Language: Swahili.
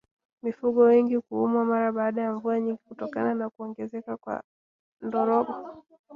Mifugo wengi kuumwa mara baada ya mvua nyingi kutokana na kuongezeka kwa ndorobo